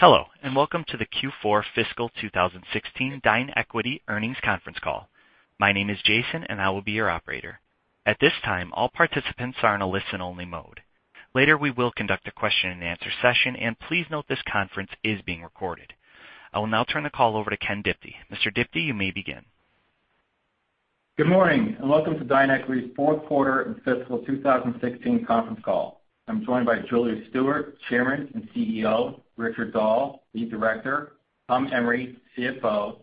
Hello. Welcome to the Q4 Fiscal 2016 DineEquity, Inc. Earnings Conference Call. My name is Jason, and I will be your operator. At this time, all participants are in a listen-only mode. Later, we will conduct a question and answer session, and please note this conference is being recorded. I will now turn the call over to Ken Diptee. Mr. Diptee, you may begin. Good morning. Welcome to DineEquity's fourth quarter and fiscal 2016 conference call. I'm joined by Julia Stewart, Chairman and CEO, Richard Dahl, Lead Director, Tom Emrey, CFO,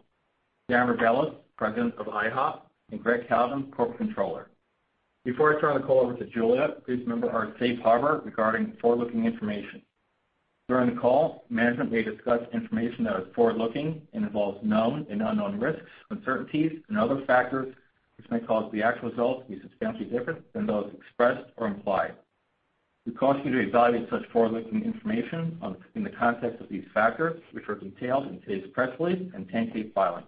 Darren Rebelez, President of IHOP, and Gregg Kalvin, Corporate Controller. Before I turn the call over to Julia, please remember our safe harbor regarding forward-looking information. During the call, management may discuss information that is forward-looking and involves known and unknown risks, uncertainties, and other factors which may cause the actual results to be substantially different than those expressed or implied. We caution you to evaluate such forward-looking information in the context of these factors, which are detailed in today's press release and 10-K filing.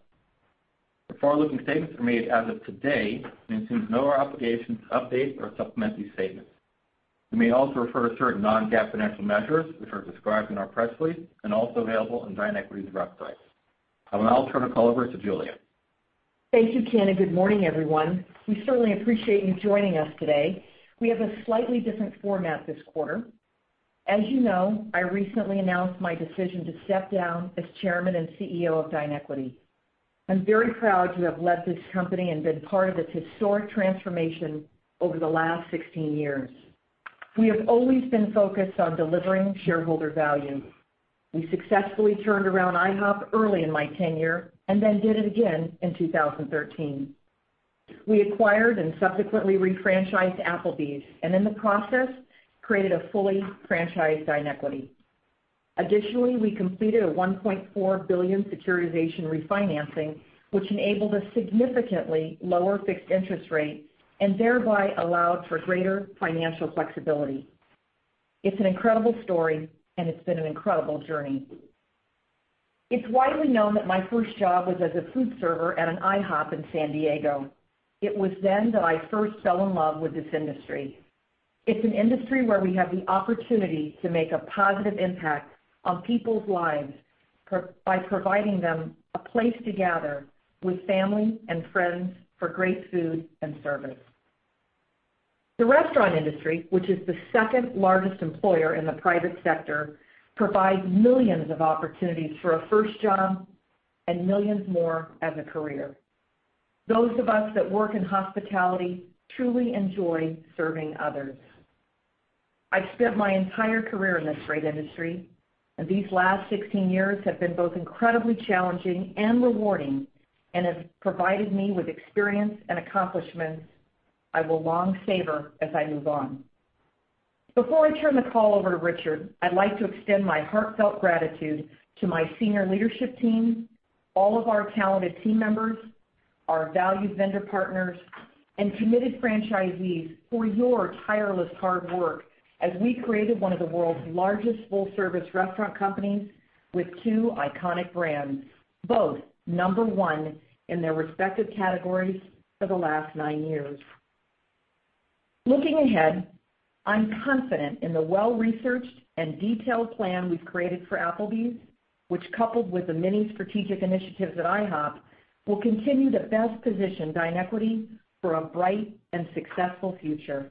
The forward-looking statements are made as of today and assume no obligation to update or supplement these statements. We may also refer to certain non-GAAP financial measures, which are described in our press release and also available on DineEquity's website. I will now turn the call over to Julia. Thank you, Ken. Good morning, everyone. We certainly appreciate you joining us today. We have a slightly different format this quarter. As you know, I recently announced my decision to step down as Chairman and CEO of DineEquity, Inc.. I'm very proud to have led this company and been part of its historic transformation over the last 16 years. We have always been focused on delivering shareholder value. We successfully turned around IHOP early in my tenure, then did it again in 2013. We acquired and subsequently re-franchised Applebee's, and in the process, created a fully franchised DineEquity, Inc.. Additionally, we completed a $1.4 billion securitization refinancing, which enabled a significantly lower fixed interest rate, and thereby allowed for greater financial flexibility. It's an incredible story. It's been an incredible journey. It's widely known that my first job was as a food server at an IHOP in San Diego. It was then that I first fell in love with this industry. It's an industry where we have the opportunity to make a positive impact on people's lives by providing them a place to gather with family and friends for great food and service. The restaurant industry, which is the second largest employer in the private sector, provides millions of opportunities for a first job and millions more as a career. Those of us that work in hospitality truly enjoy serving others. I've spent my entire career in this great industry, and these last 16 years have been both incredibly challenging and rewarding, and have provided me with experience and accomplishments I will long savor as I move on. Before I turn the call over to Richard, I'd like to extend my heartfelt gratitude to my senior leadership team, all of our talented team members, our valued vendor partners, and committed franchisees for your tireless hard work as we created one of the world's largest full-service restaurant companies with two iconic brands, both number one in their respective categories for the last nine years. Looking ahead, I'm confident in the well-researched and detailed plan we've created for Applebee's, which, coupled with the many strategic initiatives at IHOP, will continue to best position DineEquity, Inc. for a bright and successful future.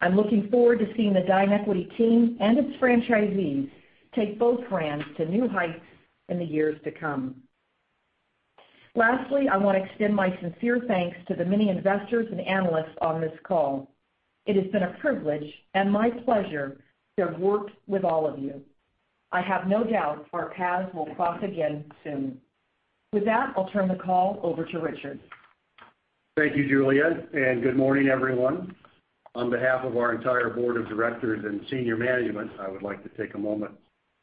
I'm looking forward to seeing the DineEquity, Inc. team and its franchisees take both brands to new heights in the years to come. I want to extend my sincere thanks to the many investors and analysts on this call. It has been a privilege and my pleasure to have worked with all of you. I have no doubt our paths will cross again soon. With that, I'll turn the call over to Richard. Thank you, Julia. Good morning, everyone. On behalf of our entire board of directors and senior management, I would like to take a moment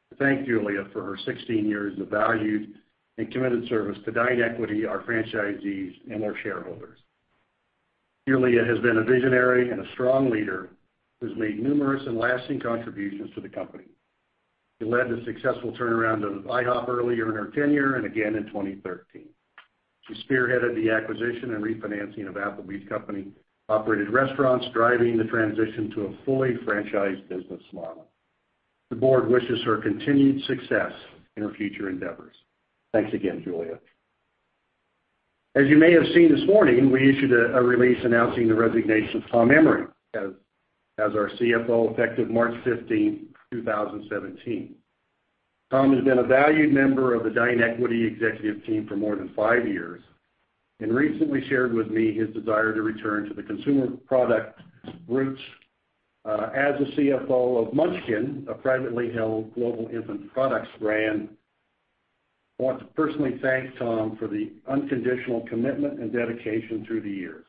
to thank Julia for her 16 years of valued and committed service to DineEquity, our franchisees, and our shareholders. Julia has been a visionary and a strong leader who's made numerous and lasting contributions to the company. She led the successful turnaround of IHOP earlier in her tenure and again in 2013. She spearheaded the acquisition and refinancing of Applebee's company operated restaurants, driving the transition to a fully franchised business model. The board wishes her continued success in her future endeavors. Thanks again, Julia. As you may have seen this morning, we issued a release announcing the resignation of Tom Emrey as our CFO effective March 15, 2017. Tom has been a valued member of the DineEquity executive team for more than 5 years and recently shared with me his desire to return to the consumer product roots as a CFO of Munchkin, a privately held global infant products brand. I want to personally thank Tom for the unconditional commitment and dedication through the years.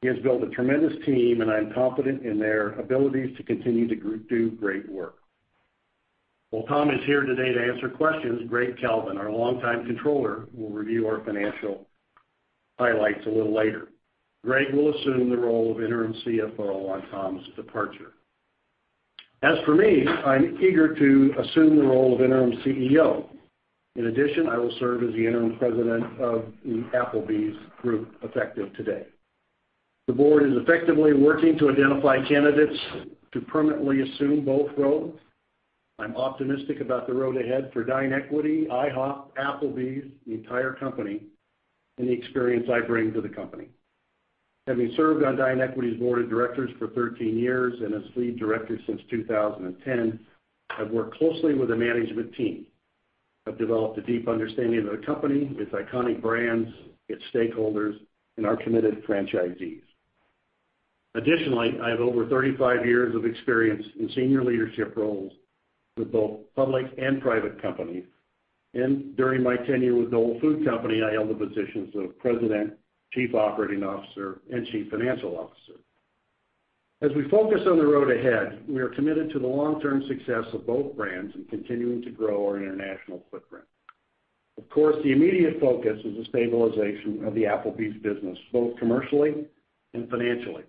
He has built a tremendous team, and I am confident in their abilities to continue to do great work. While Tom is here today to answer questions, Gregg Kalvin, our longtime Controller, will review our financial highlights a little later. Gregg will assume the role of interim CFO on Tom's departure. As for me, I'm eager to assume the role of interim CEO. In addition, I will serve as the interim President of the Applebee's group effective today. The Board is effectively working to identify candidates to permanently assume both roles. I'm optimistic about the road ahead for DineEquity, IHOP, Applebee's, the entire company, and the experience I bring to the company. Having served on DineEquity's Board of Directors for 13 years and as Lead Director since 2010, I've worked closely with the management team. I've developed a deep understanding of the company, its iconic brands, its stakeholders, and our committed franchisees. Additionally, I have over 35 years of experience in senior leadership roles with both public and private companies. During my tenure with Dole Food Company, I held the positions of President, Chief Operating Officer, and Chief Financial Officer. As we focus on the road ahead, we are committed to the long-term success of both brands and continuing to grow our international footprint. Of course, the immediate focus is the stabilization of the Applebee's business, both commercially and financially.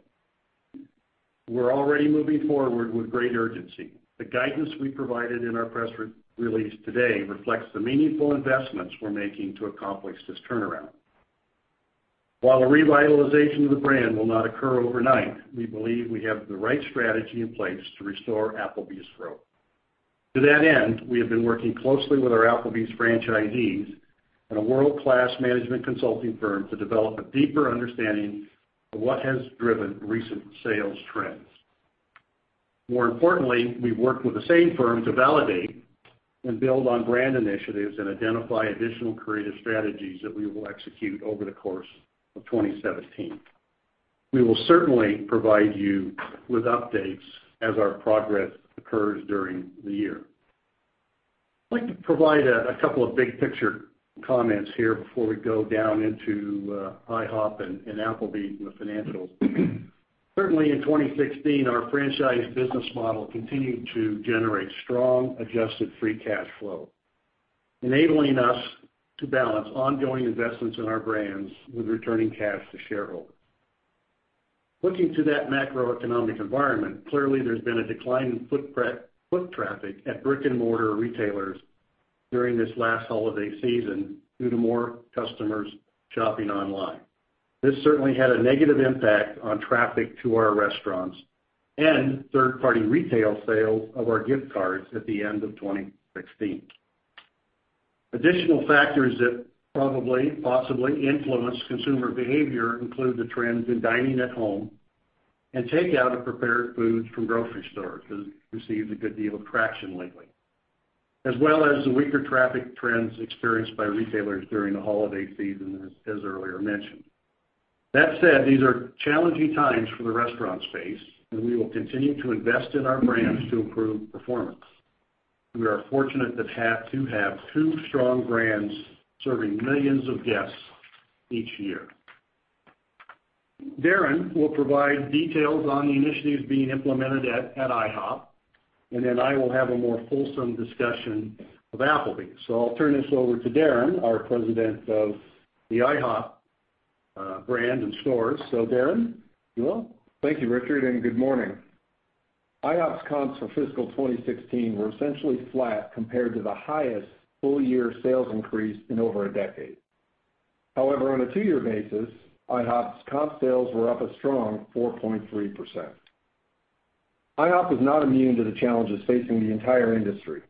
We're already moving forward with great urgency. The guidance we provided in our press release today reflects the meaningful investments we're making to accomplish this turnaround. While the revitalization of the brand will not occur overnight, we believe we have the right strategy in place to restore Applebee's growth. To that end, we have been working closely with our Applebee's franchisees and a world-class management consulting firm to develop a deeper understanding of what has driven recent sales trends. More importantly, we've worked with the same firm to validate and build on brand initiatives and identify additional creative strategies that we will execute over the course of 2017. We will certainly provide you with updates as our progress occurs during the year. I'd like to provide a couple of big-picture comments here before we go down into IHOP and Applebee's and the financials. Certainly, in 2016, our franchise business model continued to generate strong adjusted free cash flow, enabling us to balance ongoing investments in our brands with returning cash to shareholders. Looking to that macroeconomic environment, clearly, there's been a decline in foot traffic at brick-and-mortar retailers during this last holiday season due to more customers shopping online. This certainly had a negative impact on traffic to our restaurants and third-party retail sales of our gift cards at the end of 2016. Additional factors that probably, possibly influenced consumer behavior include the trends in dining at home and takeout of prepared foods from grocery stores, has received a good deal of traction lately, as well as the weaker traffic trends experienced by retailers during the holiday season, as earlier mentioned. That said, these are challenging times for the restaurant space, and we will continue to invest in our brands to improve performance. We are fortunate to have two strong brands serving millions of guests each year. Darren will provide details on the initiatives being implemented at IHOP, and then I will have a more fulsome discussion of Applebee's. I'll turn this over to Darren, our President of the IHOP brand and stores. Darren, you will. Thank you, Richard, and good morning. IHOP's comps for fiscal 2016 were essentially flat compared to the highest full-year sales increase in over a decade. However, on a two-year basis, IHOP's comp sales were up a strong 4.3%. IHOP is not immune to the challenges facing the entire industry.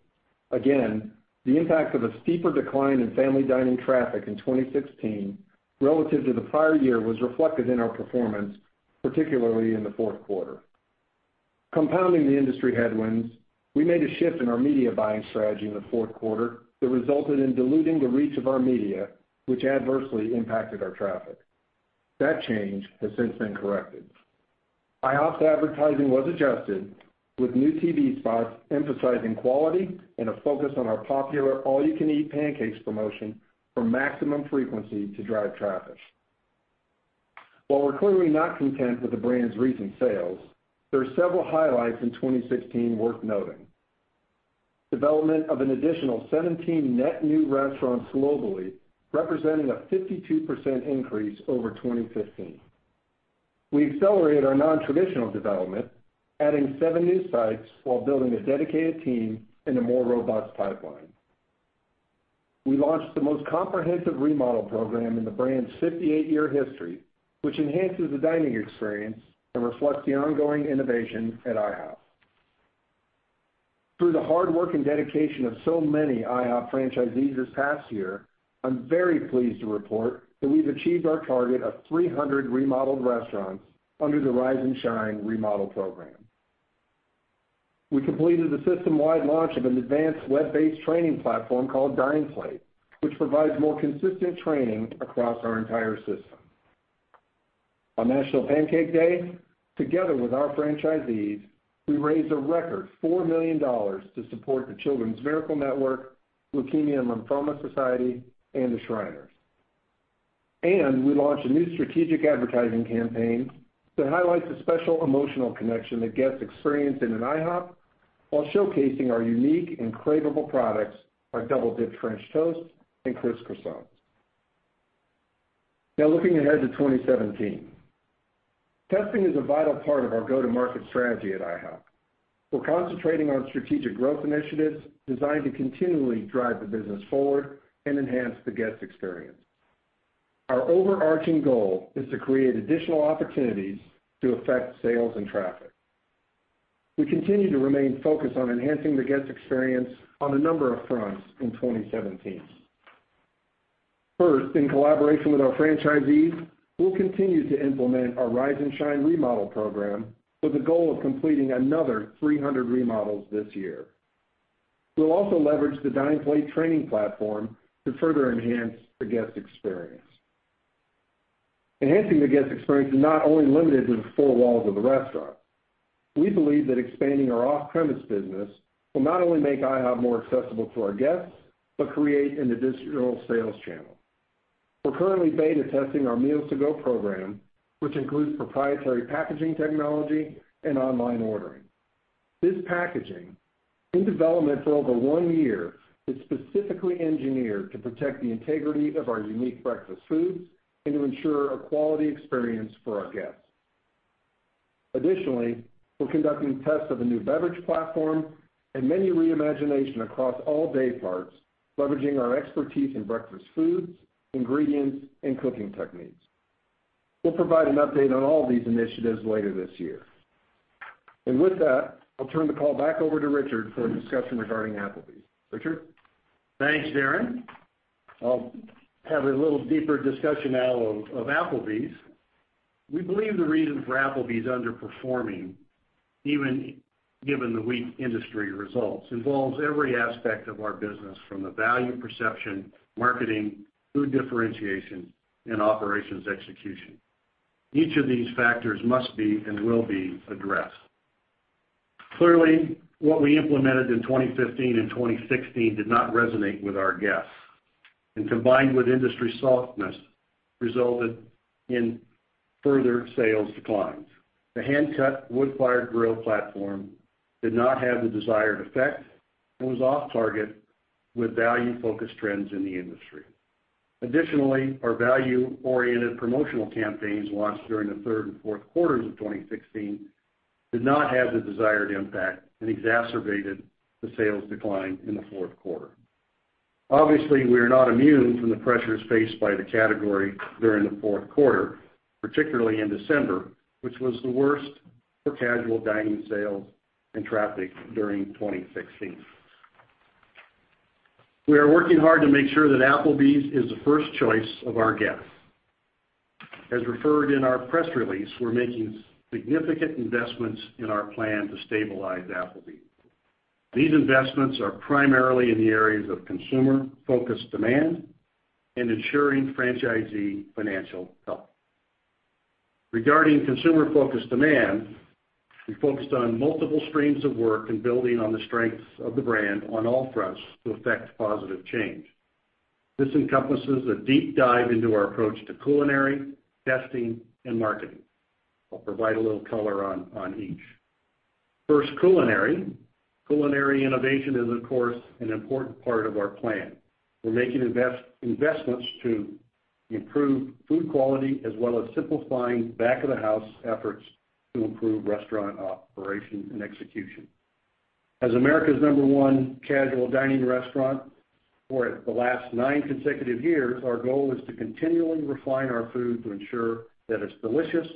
Again, the impact of a steeper decline in family dining traffic in 2016 relative to the prior year was reflected in our performance, particularly in the fourth quarter. Compounding the industry headwinds, we made a shift in our media buying strategy in the fourth quarter that resulted in diluting the reach of our media, which adversely impacted our traffic. That change has since been corrected. IHOP's advertising was adjusted, with new TV spots emphasizing quality and a focus on our popular All You Can Eat Pancakes promotion for maximum frequency to drive traffic. While we're clearly not content with the brand's recent sales, there are several highlights in 2016 worth noting. Development of an additional 17 net new restaurants globally, representing a 52% increase over 2015. We accelerated our non-traditional development, adding seven new sites while building a dedicated team and a more robust pipeline. We launched the most comprehensive remodel program in the brand's 58-year history, which enhances the dining experience and reflects the ongoing innovation at IHOP. Through the hard work and dedication of so many IHOP franchisees this past year, I'm very pleased to report that we've achieved our target of 300 remodeled restaurants under the Rise and Shine remodel program. We completed the system-wide launch of an advanced web-based training platform called DinePlate, which provides more consistent training across our entire system. On National Pancake Day, together with our franchisees, we raised a record $4 million to support the Children's Miracle Network, Leukemia & Lymphoma Society, and the Shriners. We launched a new strategic advertising campaign that highlights the special emotional connection that guests experience in an IHOP while showcasing our unique and craveable products, our Double-Dipped French Toast and Criss-Croissants. Looking ahead to 2017. Testing is a vital part of our go-to-market strategy at IHOP. We're concentrating on strategic growth initiatives designed to continually drive the business forward and enhance the guest experience. Our overarching goal is to create additional opportunities to affect sales and traffic. We continue to remain focused on enhancing the guest experience on a number of fronts in 2017. First, in collaboration with our franchisees, we'll continue to implement our Rise and Shine remodel program with the goal of completing another 300 remodels this year. We'll also leverage the DinePlate training platform to further enhance the guest experience. Enhancing the guest experience is not only limited to the four walls of the restaurant. We believe that expanding our off-premise business will not only make IHOP more accessible to our guests but create an additional sales channel. We're currently beta testing our Meals to Go program, which includes proprietary packaging technology and online ordering. This packaging, in development for over one year, is specifically engineered to protect the integrity of our unique breakfast foods and to ensure a quality experience for our guests. Additionally, we're conducting tests of a new beverage platform and menu re-imagination across all day parts, leveraging our expertise in breakfast foods, ingredients, and cooking techniques. We'll provide an update on all these initiatives later this year. With that, I'll turn the call back over to Richard for a discussion regarding Applebee's. Richard? Thanks, Darren. I'll have a little deeper discussion now of Applebee's. We believe the reason for Applebee's underperforming, even given the weak industry results, involves every aspect of our business, from the value perception, marketing, food differentiation, and operations execution. Each of these factors must be and will be addressed. Clearly, what we implemented in 2015 and 2016 did not resonate with our guests, and combined with industry softness, resulted in further sales declines. The Hand-Cut Wood Fired Grill platform did not have the desired effect and was off-target with value-focused trends in the industry. Additionally, our value-oriented promotional campaigns launched during the third and fourth quarters of 2016 did not have the desired impact and exacerbated the sales decline in the fourth quarter. Obviously, we are not immune from the pressures faced by the category during the fourth quarter, particularly in December, which was the worst for casual dining sales and traffic during 2016. We are working hard to make sure that Applebee's is the first choice of our guests. As referred in our press release, we're making significant investments in our plan to stabilize Applebee's. These investments are primarily in the areas of consumer-focused demand and ensuring franchisee financial health. Regarding consumer-focused demand, we focused on multiple streams of work and building on the strengths of the brand on all fronts to affect positive change. This encompasses a deep dive into our approach to culinary, testing, and marketing. I'll provide a little color on each. First, culinary. Culinary innovation is, of course, an important part of our plan. We're making investments to improve food quality, as well as simplifying back-of-the-house efforts to improve restaurant operation and execution. As America's number one casual dining restaurant for the last nine consecutive years, our goal is to continually refine our food to ensure that it's delicious,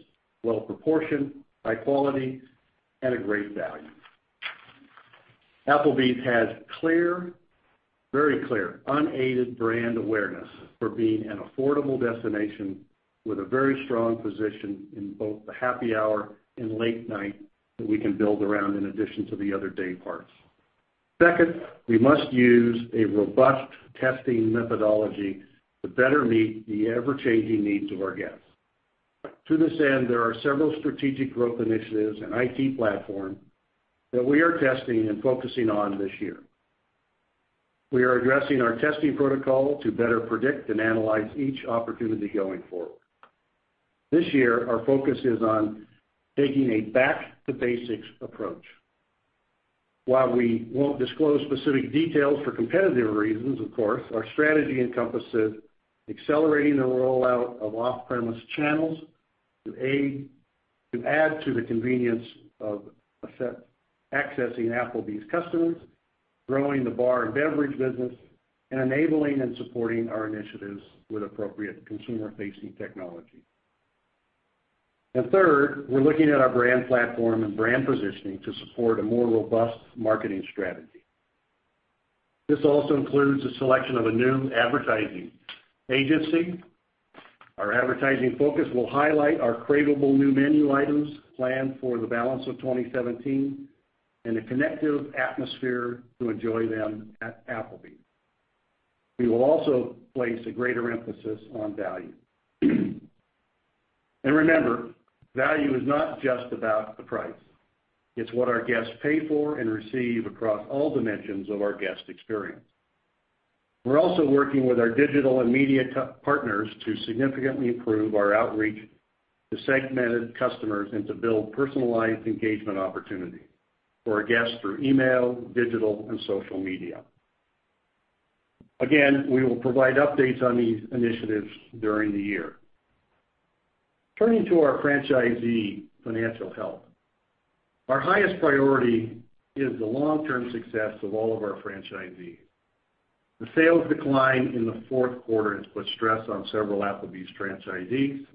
well-proportioned, high quality, and a great value. Applebee's has clear, very clear, unaided brand awareness for being an affordable destination with a very strong position in both the happy hour and late night that we can build around in addition to the other day parts. Second, we must use a robust testing methodology to better meet the ever-changing needs of our guests. To this end, there are several strategic growth initiatives and IT platform that we are testing and focusing on this year. We are addressing our testing protocol to better predict and analyze each opportunity going forward. This year, our focus is on taking a back-to-basics approach. While we won't disclose specific details for competitive reasons, of course, our strategy encompasses accelerating the rollout of off-premise channels to add to the convenience of accessing Applebee's customers, growing the bar and beverage business, and enabling and supporting our initiatives with appropriate consumer-facing technology. Third, we're looking at our brand platform and brand positioning to support a more robust marketing strategy. This also includes the selection of a new advertising agency. Our advertising focus will highlight our craveable new menu items planned for the balance of 2017 and a connective atmosphere to enjoy them at Applebee's. We will also place a greater emphasis on value. Remember, value is not just about the price. It's what our guests pay for and receive across all dimensions of our guest experience. We're also working with our digital and media partners to significantly improve our outreach to segmented customers and to build personalized engagement opportunity for our guests through email, digital, and social media. Again, we will provide updates on these initiatives during the year. Turning to our franchisee financial health, our highest priority is the long-term success of all of our franchisees. The sales decline in the fourth quarter has put stress on several Applebee's franchisees.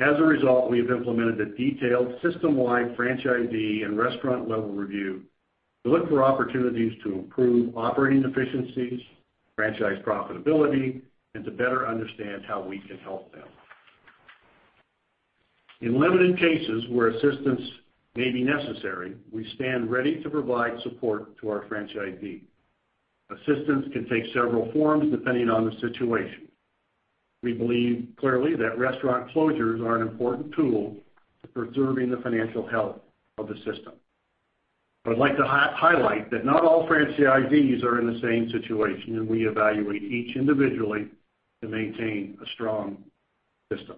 As a result, we have implemented a detailed system-wide franchisee and restaurant-level review to look for opportunities to improve operating efficiencies, franchise profitability, and to better understand how we can help them. In limited cases where assistance may be necessary, we stand ready to provide support to our franchisees. Assistance can take several forms depending on the situation. We believe clearly that restaurant closures are an important tool to preserving the financial health of the system. I'd like to highlight that not all franchisees are in the same situation, and we evaluate each individually to maintain a strong system.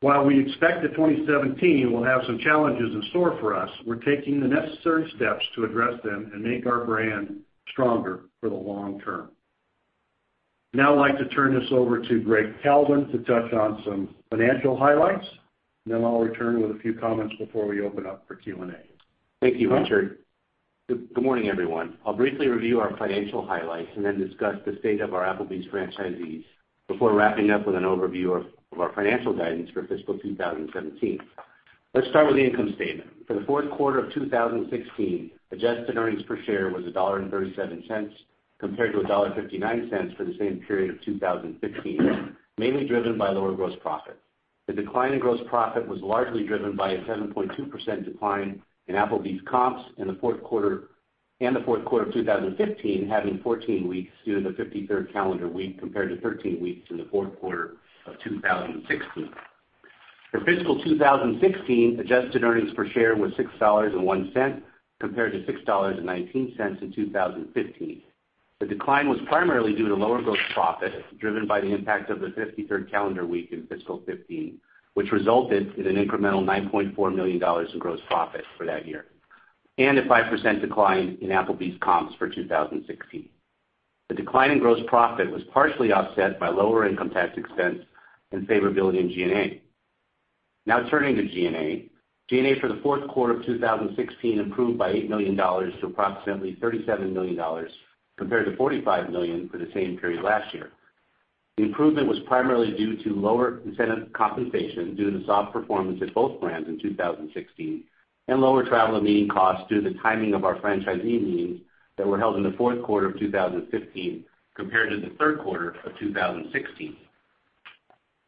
While we expect that 2017 will have some challenges in store for us, we're taking the necessary steps to address them and make our brand stronger for the long term. I'd like to turn this over to Gregg Kalvin to touch on some financial highlights. I'll return with a few comments before we open up for Q&A. Thank you, Richard. Good morning, everyone. I'll briefly review our financial highlights and then discuss the state of our Applebee's franchisees before wrapping up with an overview of our financial guidance for fiscal 2017. Let's start with the income statement. For the fourth quarter of 2016, adjusted earnings per share was $1.37, compared to $1.59 for the same period of 2015, mainly driven by lower gross profit. The decline in gross profit was largely driven by a 7.2% decline in Applebee's comps and the fourth quarter of 2015 having 14 weeks due to the 53rd calendar week, compared to 13 weeks in the fourth quarter of 2016. For fiscal 2016, adjusted earnings per share was $6.01 compared to $6.19 in 2015. The decline was primarily due to lower gross profit, driven by the impact of the 53rd calendar week in fiscal 2015, which resulted in an incremental $9.4 million in gross profit for that year, and a 5% decline in Applebee's comps for 2016. The decline in gross profit was partially offset by lower income tax expense and favorability in G&A. Now turning to G&A. G&A for the fourth quarter of 2016 improved by $8 million to approximately $37 million, compared to $45 million for the same period last year. The improvement was primarily due to lower incentive compensation due to soft performance at both brands in 2016, and lower travel and meeting costs due to the timing of our franchisee meetings that were held in the fourth quarter of 2015 compared to the third quarter of 2016.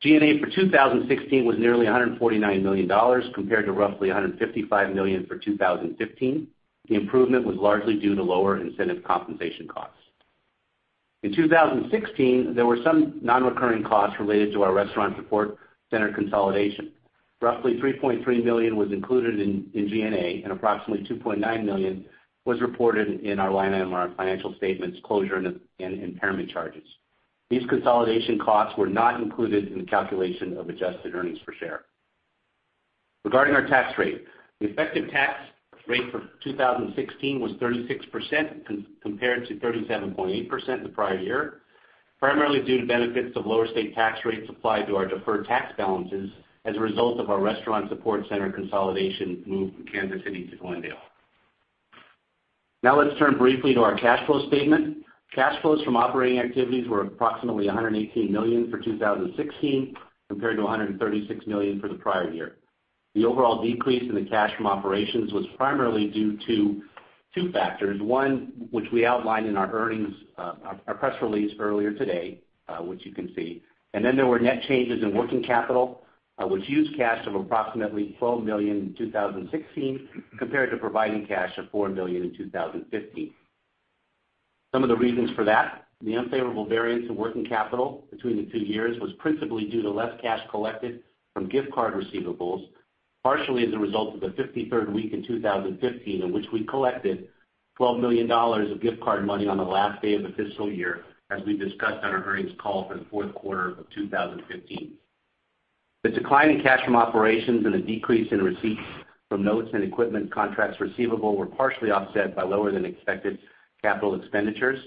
G&A for 2016 was nearly $149 million, compared to roughly $155 million for 2015. The improvement was largely due to lower incentive compensation costs. In 2016, there were some non-recurring costs related to our restaurant support center consolidation. Roughly $3.3 million was included in G&A, and approximately $2.9 million was reported in our line item on our financial statements closure and impairment charges. These consolidation costs were not included in the calculation of adjusted earnings per share. Regarding our tax rate, the effective tax rate for 2016 was 36% compared to 37.8% the prior year, primarily due to benefits of lower state tax rates applied to our deferred tax balances as a result of our restaurant support center consolidation move from Kansas City to Glendale. Now let's turn briefly to our cash flow statement. Cash flows from operating activities were approximately $118 million for 2016, compared to $136 million for the prior year. The overall decrease in the cash from operations was primarily due to two factors. One, which we outlined in our press release earlier today, which you can see. There were net changes in working capital, which used cash of approximately $12 million in 2016, compared to providing cash of $4 million in 2015. Some of the reasons for that, the unfavorable variance in working capital between the two years was principally due to less cash collected from gift card receivables, partially as a result of the 53rd week in 2015, in which we collected $12 million of gift card money on the last day of the fiscal year, as we discussed on our earnings call for the fourth quarter of 2015. The decline in cash from operations and a decrease in receipts from notes and equipment contracts receivable were partially offset by lower than expected capital expenditures.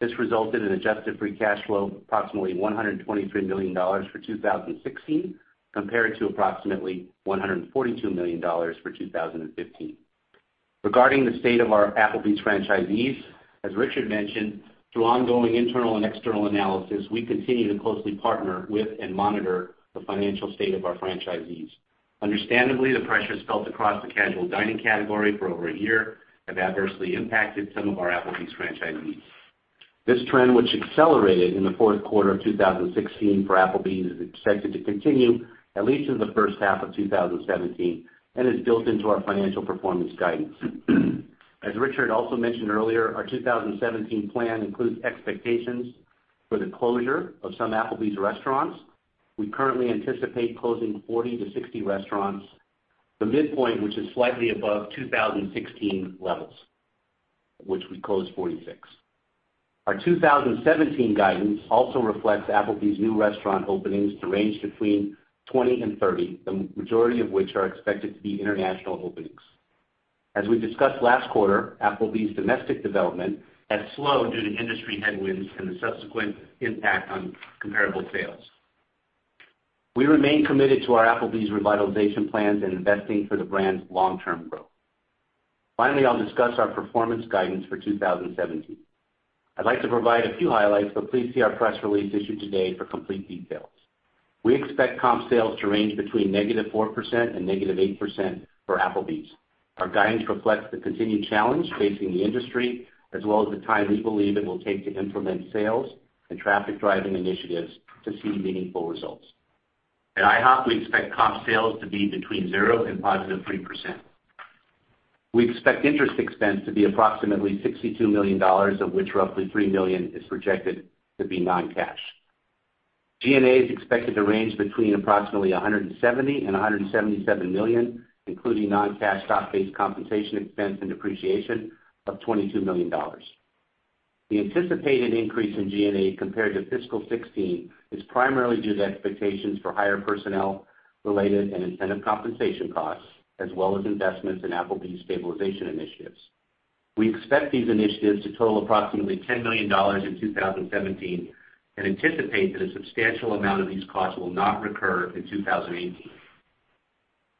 This resulted in adjusted free cash flow approximately $123 million for 2016, compared to approximately $142 million for 2015. Regarding the state of our Applebee's franchisees, as Richard mentioned, through ongoing internal and external analysis, we continue to closely partner with and monitor the financial state of our franchisees. Understandably, the pressures felt across the casual dining category for over a year have adversely impacted some of our Applebee's franchisees. This trend, which accelerated in the fourth quarter of 2016 for Applebee's, is expected to continue at least through the first half of 2017 and is built into our financial performance guidance. As Richard also mentioned earlier, our 2017 plan includes expectations for the closure of some Applebee's restaurants. We currently anticipate closing 40 to 60 restaurants, the midpoint which is slightly above 2016 levels, which we closed 46. Our 2017 guidance also reflects Applebee's new restaurant openings to range between 20 and 30. The majority of which are expected to be international openings. As we discussed last quarter, Applebee's domestic development has slowed due to industry headwinds and the subsequent impact on comparable sales. We remain committed to our Applebee's revitalization plans and investing for the brand's long-term growth. Finally, I'll discuss our performance guidance for 2017. I'd like to provide a few highlights, but please see our press release issued today for complete details. We expect comp sales to range between -4% and -8% for Applebee's. Our guidance reflects the continued challenge facing the industry, as well as the time we believe it will take to implement sales and traffic-driving initiatives to see meaningful results. At IHOP, we expect comp sales to be between 0 and +3%. We expect interest expense to be approximately $62 million, of which roughly $3 million is projected to be non-cash. G&A is expected to range between approximately $170 million and $177 million, including non-cash stock-based compensation expense and depreciation of $22 million. The anticipated increase in G&A compared to fiscal 2016 is primarily due to expectations for higher personnel-related and incentive compensation costs, as well as investments in Applebee's stabilization initiatives. We expect these initiatives to total approximately $10 million in 2017 and anticipate that a substantial amount of these costs will not recur in 2018.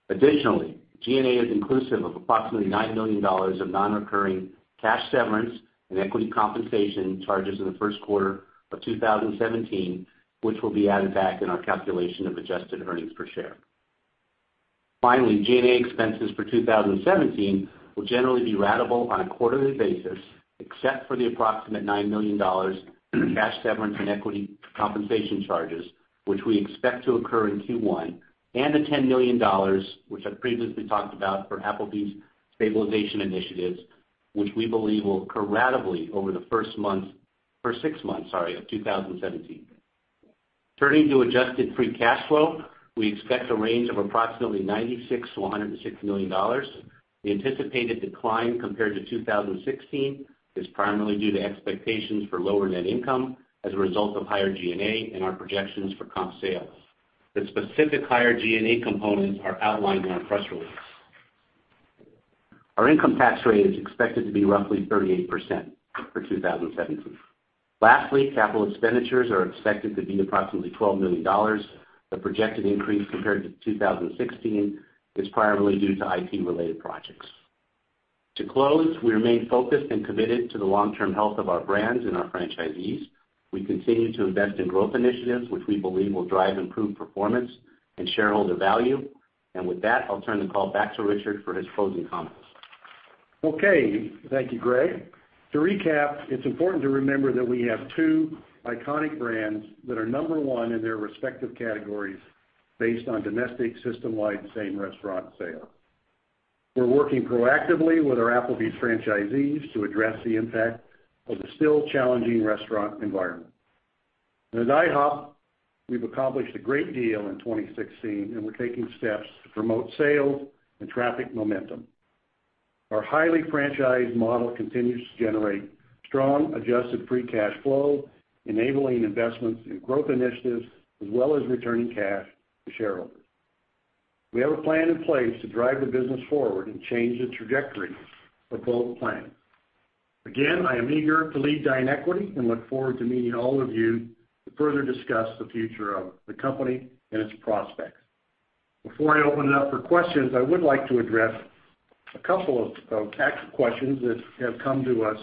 Additionally, G&A is inclusive of approximately $9 million of non-recurring cash severance and equity compensation charges in the first quarter of 2017, which will be added back in our calculation of adjusted earnings per share. Finally, G&A expenses for 2017 will generally be ratable on a quarterly basis, except for the approximate $9 million cash severance and equity compensation charges, which we expect to occur in Q1, and the $10 million, which I previously talked about, for Applebee's stabilization initiatives, which we believe will occur ratably over the first six months of 2017. Turning to adjusted free cash flow, we expect a range of approximately $96 million to $106 million. The anticipated decline compared to 2016 is primarily due to expectations for lower net income as a result of higher G&A and our projections for comp sales. The specific higher G&A components are outlined in our press release. Our income tax rate is expected to be roughly 38% for 2017. Lastly, capital expenditures are expected to be approximately $12 million. The projected increase compared to 2016 is primarily due to IT-related projects. To close, we remain focused and committed to the long-term health of our brands and our franchisees. We continue to invest in growth initiatives, which we believe will drive improved performance and shareholder value. With that, I'll turn the call back to Richard for his closing comments. Okay. Thank you, Gregg. To recap, it's important to remember that we have two iconic brands that are number one in their respective categories based on domestic system-wide same restaurant sales. We're working proactively with our Applebee's franchisees to address the impact of the still challenging restaurant environment. At IHOP, we've accomplished a great deal in 2016, and we're taking steps to promote sales and traffic momentum. Our highly franchised model continues to generate strong adjusted free cash flow, enabling investments in growth initiatives as well as returning cash to shareholders. We have a plan in place to drive the business forward and change the trajectory of both plans. Again, I am eager to lead DineEquity, Inc. and look forward to meeting all of you to further discuss the future of the company and its prospects. Before I open it up for questions, I would like to address a couple of tax questions that have come to us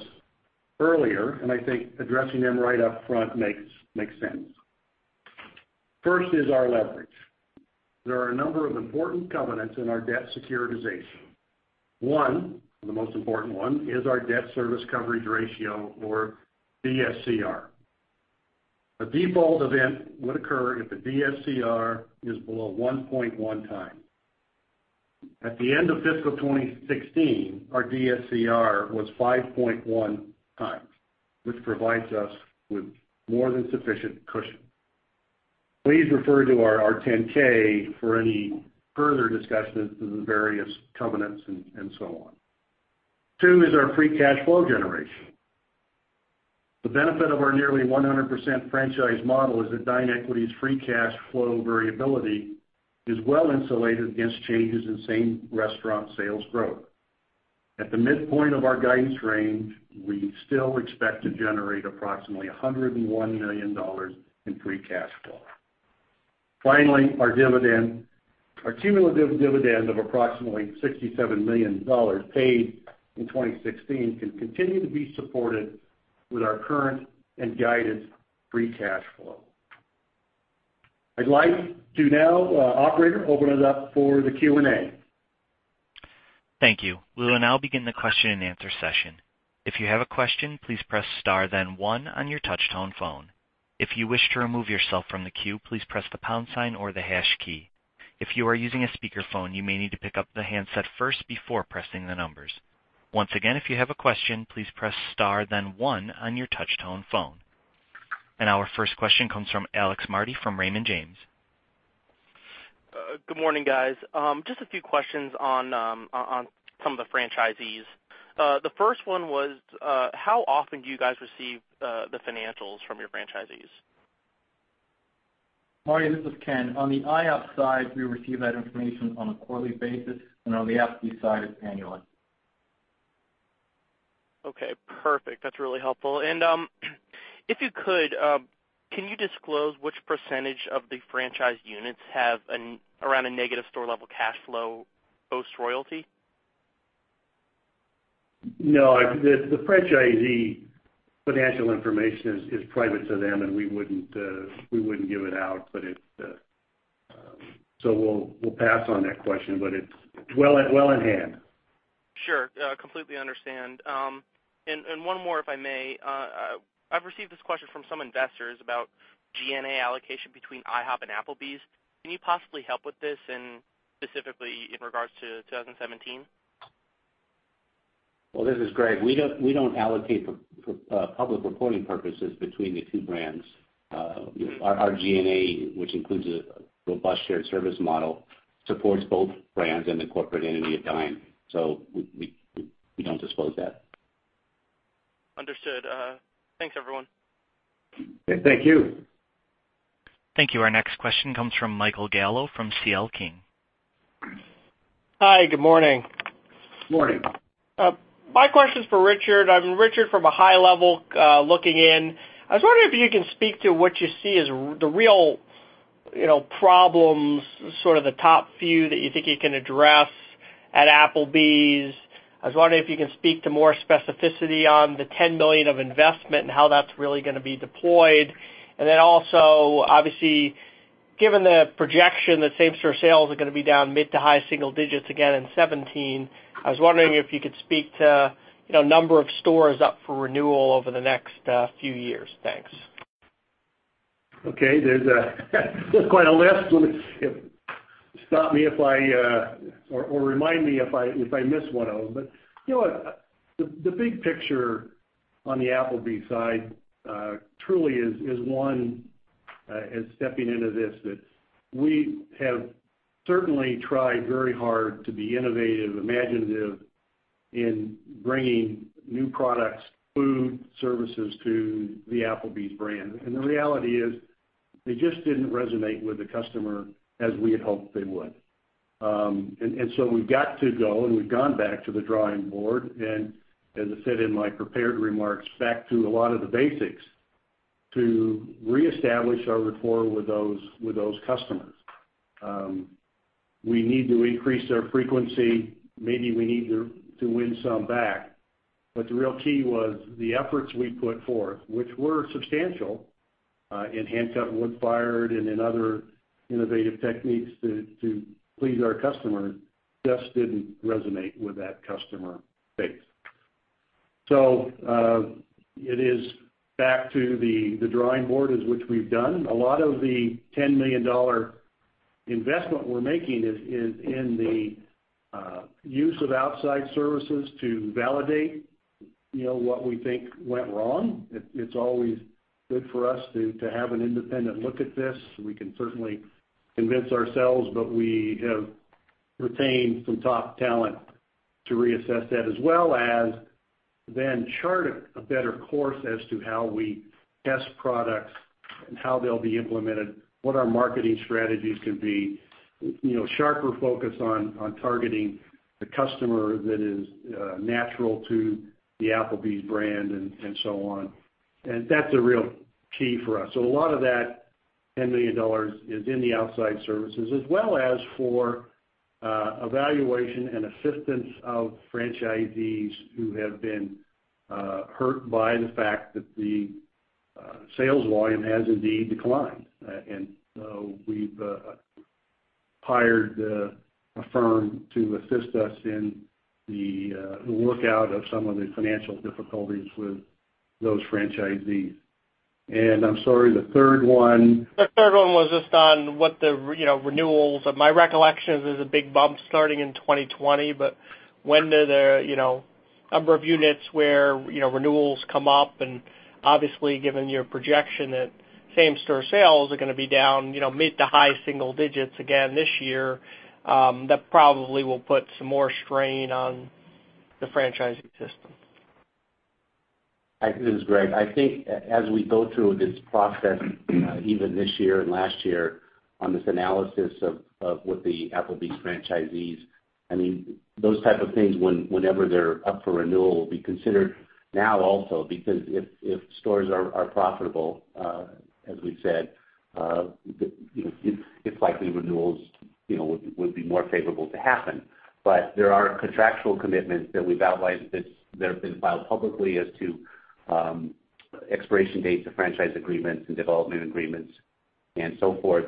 earlier, and I think addressing them right up front makes sense. First is our leverage. There are a number of important covenants in our debt securitization. One, the most important one, is our debt service coverage ratio or DSCR. A default event would occur if the DSCR is below 1.1 time. At the end of fiscal 2016, our DSCR was 5.1 times, which provides us with more than sufficient cushion. Please refer to our 10-K for any further discussions of the various covenants and so on. Two is our free cash flow generation. The benefit of our nearly 100% franchise model is that DineEquity, Inc.'s free cash flow variability is well-insulated against changes in same-restaurant sales growth. At the midpoint of our guidance range, we still expect to generate approximately $101 million in free cash flow. Finally, our cumulative dividend of approximately $67 million paid in 2016 can continue to be supported with our current and guided free cash flow. I'd like to now, operator, open it up for the Q&A. Thank you. We will now begin the question and answer session. If you have a question, please press star then 1 on your touch-tone phone. If you wish to remove yourself from the queue, please press the pound sign or the hash key. If you are using a speakerphone, you may need to pick up the handset first before pressing the numbers. Once again, if you have a question, please press star then 1 on your touch-tone phone. Our first question comes from Alexander Marty from Raymond James. Good morning, guys. Just a few questions on some of the franchisees. The first one was, how often do you guys receive the financials from your franchisees? Marty, this is Ken. On the IHOP side, we receive that information on a quarterly basis, on the Applebee's side, it's annually. Okay, perfect. That's really helpful. If you could, can you disclose which percentage of the franchise units have around a negative store-level cash flow post royalty? No. The franchisee financial information is private to them, and we wouldn't give it out. We'll pass on that question, but it's well in hand. Sure. Completely understand. One more, if I may. I've received this question from some investors about G&A allocation between IHOP and Applebee's. Can you possibly help with this, and specifically in regards to 2017? Well, this is Gregg. We don't allocate for public reporting purposes between the two brands. Our G&A, which includes a robust shared service model, supports both brands and the corporate entity of Dine. We don't disclose that. Understood. Thanks, everyone. Thank you. Thank you. Our next question comes from Michael Gallo from C.L. King. Hi, good morning. Morning. My question is for Richard. Richard, from a high level looking in, I was wondering if you can speak to what you see as the real problems, sort of the top few that you think you can address at Applebee's. I was wondering if you can speak to more specificity on the $10 million of investment and how that's really going to be deployed. Also, obviously, given the projection that same-store sales are going to be down mid to high single digits again in 2017, I was wondering if you could speak to number of stores up for renewal over the next few years. Thanks. Okay. There's quite a list. Stop me or remind me if I miss one of them. You know what? The big picture on the Applebee's side truly is one, is stepping into this, that we have certainly tried very hard to be innovative, imaginative in bringing new products, food, services to the Applebee's brand. The reality is they just didn't resonate with the customer as we had hoped they would. We've got to go, and we've gone back to the drawing board, as I said in my prepared remarks, back to a lot of the basics to reestablish our rapport with those customers. We need to increase their frequency. Maybe we need to win some back. The real key was the efforts we put forth, which were substantial, in Hand-Cut Wood Fired Grill and in other innovative techniques to please our customers, just didn't resonate with that customer base. It is back to the drawing board, which we've done. A lot of the $10 million investment we're making is in the use of outside services to validate what we think went wrong. It's always good for us to have an independent look at this. We can certainly convince ourselves, we have retained some top talent to reassess that, as well as then chart a better course as to how we test products and how they'll be implemented, what our marketing strategies can be, sharper focus on targeting the customer that is natural to the Applebee's brand, and so on. That's a real key for us. A lot of that $10 million is in the outside services, as well as for evaluation and assistance of franchisees who have been hurt by the fact that the sales volume has indeed declined. We've hired a firm to assist us in the lookout of some of the financial difficulties with those franchisees. I'm sorry, the third one? The third one was just on what the renewals. My recollection is there's a big bump starting in 2020, when do the number of units where renewals come up, and obviously, given your projection that same-store sales are going to be down mid to high single digits again this year, that probably will put some more strain on the franchising system. This is Gregg. I think as we go through this process, even this year and last year, on this analysis of what the Applebee's franchisees, those type of things, whenever they're up for renewal, will be considered now also, because if stores are profitable, as we've said, it's likely renewals would be more favorable to happen. There are contractual commitments that we've outlined that have been filed publicly as to expiration dates of franchise agreements and development agreements and so forth.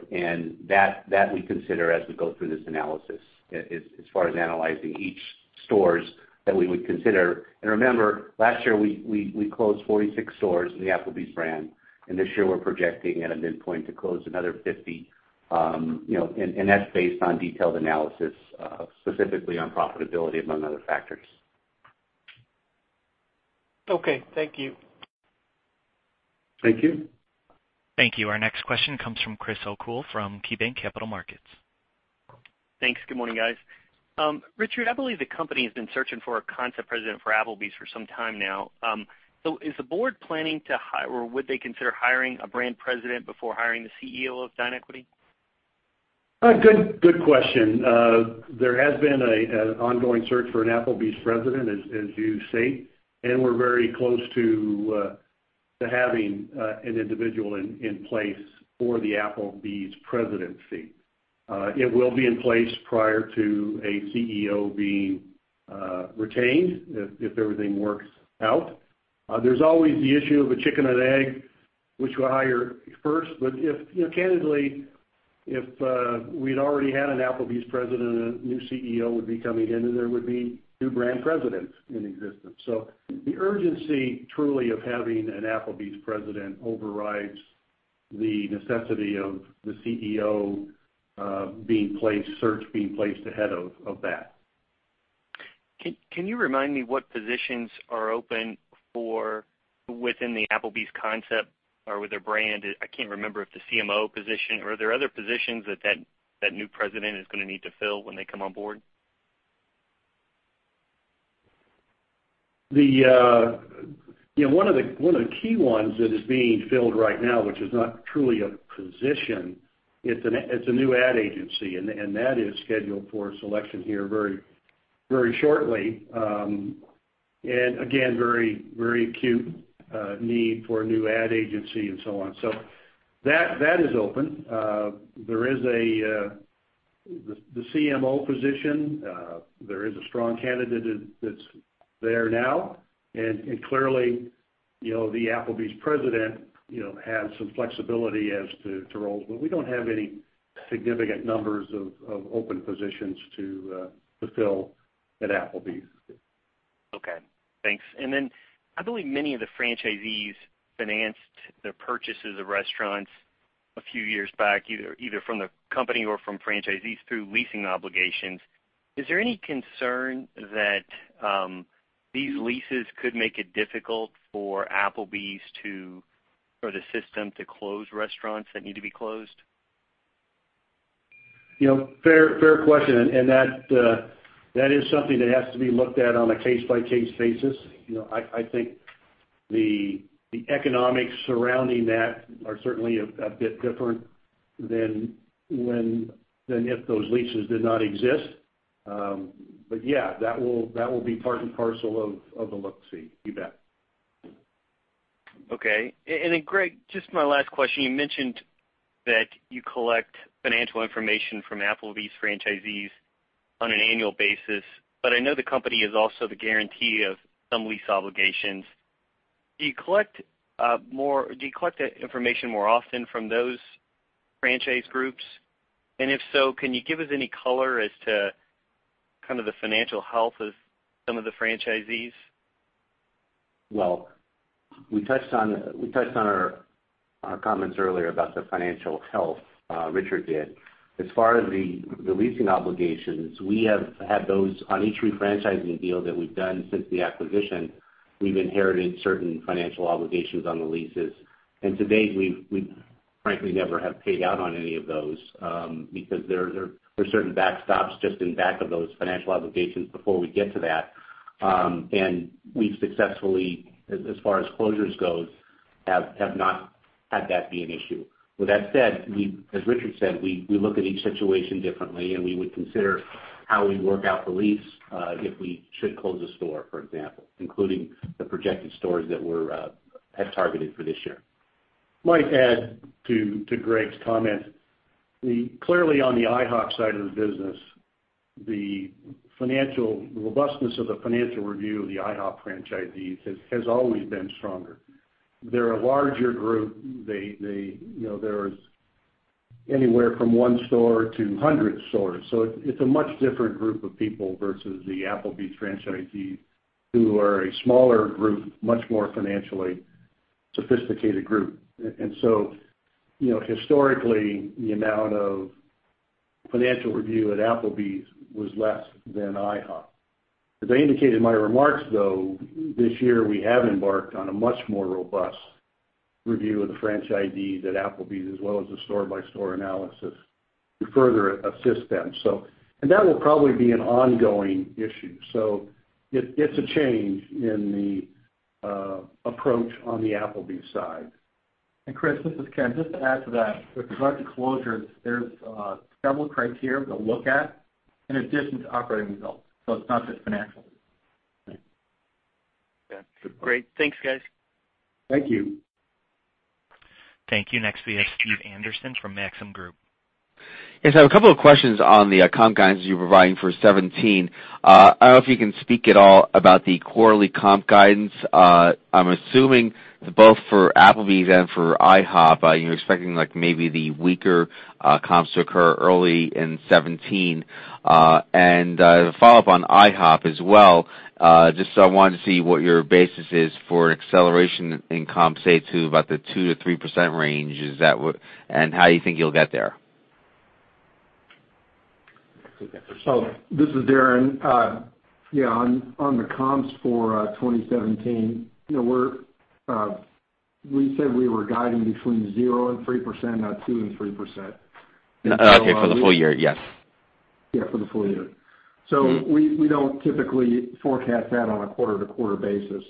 That we consider as we go through this analysis, as far as analyzing each stores that we would consider. Remember, last year, we closed 46 stores in the Applebee's brand, and this year we're projecting at a midpoint to close another 50. That's based on detailed analysis, specifically on profitability, among other factors. Okay. Thank you. Thank you. Thank you. Our next question comes from Chris O'Cull from KeyBanc Capital Markets. Thanks. Good morning, guys. Richard, I believe the company has been searching for a concept president for Applebee's for some time now. Is the Board planning to hire, or would they consider hiring a brand president before hiring the CEO of DineEquity, Inc.? Good question. There has been an ongoing search for an Applebee's president, as you say, and we're very close to having an individual in place for the Applebee's presidency. It will be in place prior to a CEO being retained, if everything works out. There's always the issue of a chicken and egg, which we'll hire first. Candidly, if we'd already had an Applebee's president, a new CEO would be coming in, and there would be two brand presidents in existence. The urgency, truly, of having an Applebee's president overrides the necessity of the CEO search being placed ahead of that. Can you remind me what positions are open within the Applebee's concept or with their brand? I can't remember if the CMO position, or are there other positions that new president is going to need to fill when they come on board? One of the key ones that is being filled right now, which is not truly a position, it's a new ad agency, and that is scheduled for selection here very shortly. Again, very acute need for a new ad agency and so on. That is open. The CMO position, there is a strong candidate that's there now, and clearly, the Applebee's president has some flexibility as to roles, but we don't have any significant numbers of open positions to fulfill at Applebee's. Okay, thanks. I believe many of the franchisees financed their purchases of restaurants a few years back, either from the company or from franchisees through leasing obligations. Is there any concern that these leases could make it difficult for Applebee's, or the system to close restaurants that need to be closed? Fair question, that is something that has to be looked at on a case-by-case basis. I think the economics surrounding that are certainly a bit different than if those leases did not exist. Yeah, that will be part and parcel of the look-see, you bet. Okay. Gregg, just my last question. You mentioned that you collect financial information from Applebee's franchisees on an annual basis, I know the company is also the guarantee of some lease obligations. Do you collect that information more often from those franchise groups? If so, can you give us any color as to the financial health of some of the franchisees? Well, we touched on our comments earlier about the financial health, Richard did. As far as the leasing obligations, we have had those on each re-franchising deal that we've done since the acquisition. We've inherited certain financial obligations on the leases. To date, we frankly never have paid out on any of those, because there are certain backstops just in back of those financial obligations before we get to that. We've successfully, as far as closures goes, have not had that be an issue. With that said, as Richard said, we look at each situation differently, and we would consider how we work out the lease if we should close a store, for example, including the projected stores that we have targeted for this year. Might add to Gregg's comment. Clearly on the IHOP side of the business, the robustness of the financial review of the IHOP franchisees has always been stronger. They're a larger group. There's anywhere from one store to 100 stores. It's a much different group of people versus the Applebee's franchisees, who are a smaller group, much more financially sophisticated group. Historically, the amount of financial review at Applebee's was less than IHOP. As I indicated in my remarks, though, this year, we have embarked on a much more robust review of the franchisees at Applebee's, as well as the store-by-store analysis to further assist them. That will probably be an ongoing issue. It's a change in the approach on the Applebee's side. Chris, this is Ken. Just to add to that, with regard to closures, there's several criteria to look at in addition to operating results. It's not just financial. Okay. Great. Thanks, guys. Thank you. Thank you. Next, we have Stephen Anderson from Maxim Group. I have a couple of questions on the comp guidance you're providing for 2017. I don't know if you can speak at all about the quarterly comp guidance. I'm assuming both for Applebee's and for IHOP, are you expecting maybe the weaker comps to occur early in 2017? To follow up on IHOP as well, just so I wanted to see what your basis is for an acceleration in comp, say, to about the 2%-3% range, and how you think you'll get there. This is Darren. Yeah, on the comps for 2017, We said we were guiding between 0% and 3%, not 2% and 3%. Okay, for the full year. Yes. Yeah, for the full year. We don't typically forecast that on a quarter-to-quarter basis.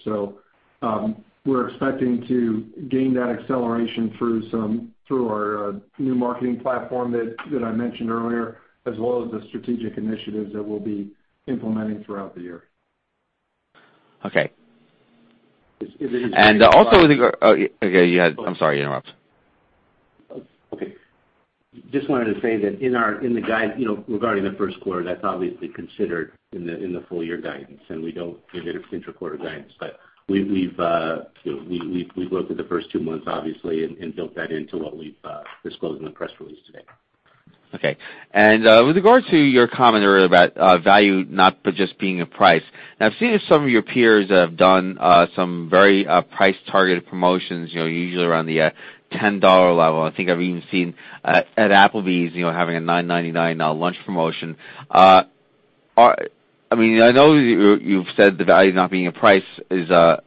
We're expecting to gain that acceleration through our new marketing platform that I mentioned earlier, as well as the strategic initiatives that we'll be implementing throughout the year. Okay. I'm sorry to interrupt. Okay. Just wanted to say that regarding the first quarter, that's obviously considered in the full year guidance, and we don't give inter-quarter guidance. We've looked at the first two months, obviously, and built that into what we've disclosed in the press release today. Okay. With regard to your comment earlier about value not but just being a price. Now I've seen that some of your peers have done some very price-targeted promotions, usually around the $10 level. I think I've even seen at Applebee's, having a $9.99 lunch promotion. I know you've said the value not being a price is a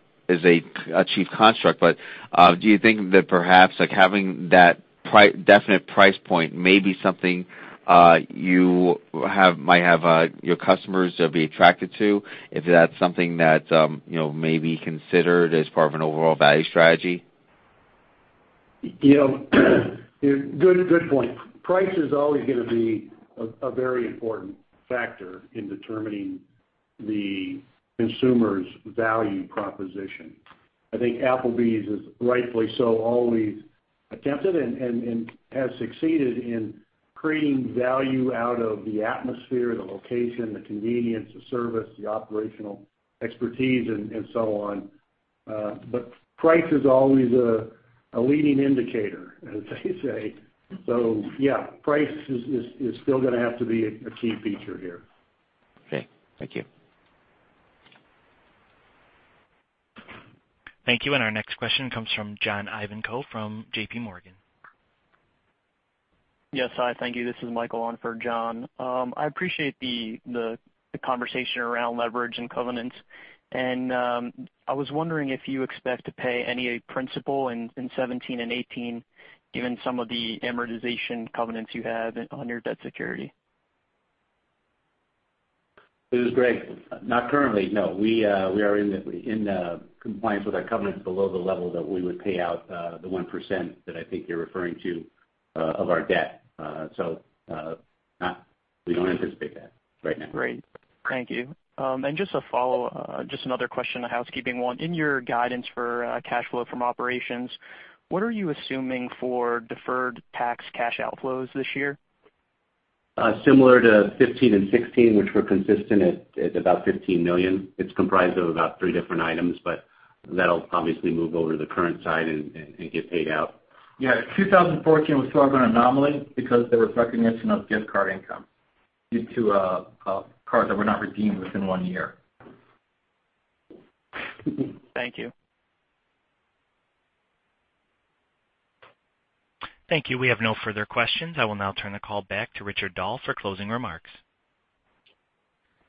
chief construct, do you think that perhaps having that definite price point may be something your customers will be attracted to? If that's something that may be considered as part of an overall value strategy? Good point. Price is always going to be a very important factor in determining the consumer's value proposition. I think Applebee's has, rightfully so, always attempted and has succeeded in creating value out of the atmosphere, the location, the convenience, the service, the operational expertise and so on. Price is always a leading indicator, as they say. Yeah, price is still going to have to be a key feature here. Okay. Thank you. Thank you. Our next question comes from John Ivankoe from JPMorgan. Yes. Hi, thank you. This is Michael on for John. I appreciate the conversation around leverage and covenants. I was wondering if you expect to pay any principal in 2017 and 2018, given some of the amortization covenants you have on your debt security. This is Gregg. Not currently, no. We are in compliance with our covenants below the level that we would pay out, the 1% that I think you're referring to, of our debt. We don't anticipate that right now. Great. Thank you. Just a follow, just another question, a housekeeping one. In your guidance for cash flow from operations, what are you assuming for deferred tax cash outflows this year? Similar to 2015 and 2016, which were consistent at about $15 million. It's comprised of about three different items, that'll obviously move over to the current side and get paid out. Yeah. 2014 was sort of an anomaly because there was recognition of gift card income due to cards that were not redeemed within one year. Thank you. Thank you. We have no further questions. I will now turn the call back to Richard Dahl for closing remarks.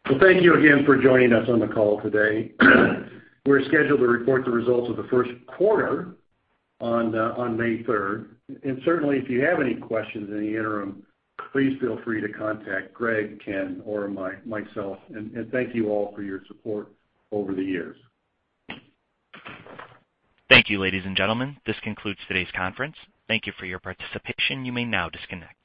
Well, thank you again for joining us on the call today. We're scheduled to report the results of the first quarter on May 3rd, certainly, if you have any questions in the interim, please feel free to contact Gregg, Ken, or myself. Thank you all for your support over the years. Thank you, ladies and gentlemen. This concludes today's conference. Thank you for your participation. You may now disconnect.